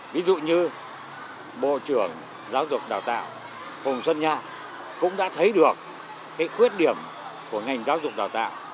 ví dụ như bộ trưởng giáo dục đào tạo phùng xuân nha cũng đã thấy được cái khuyết điểm của ngành giáo dục đào tạo